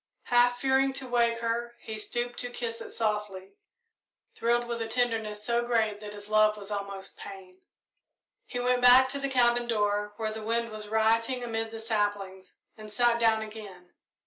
Half fearing to wake her, he stooped to kiss it softly, thrilled with a tenderness so great that his love was almost pain. He went back to the cabin door, where the wind was rioting amid the saplings, and sat down again.